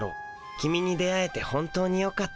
キミに出会えて本当によかった。